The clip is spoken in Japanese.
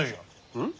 うん？